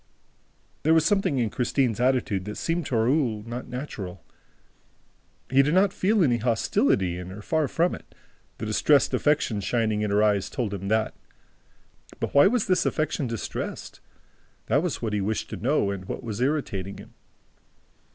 There was something in Christine's attitude that seemed to Raoul not natural. He did not feel any hostility in her; far from it: the distressed affection shining in her eyes told him that. But why was this affection distressed? That was what he wished to know and what was irritating him.